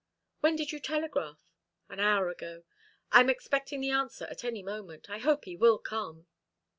"When did you telegraph?" "An hour ago. I am expecting the answer at any moment. I hope he will come."